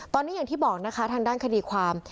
ตอนนี้อย่างที่บอกนะคะทางด้านคดีความ